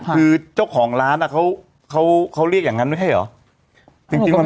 คือเจ้าของร้านเขาเรียกอย่างนั้นไม่ใช่เหรอ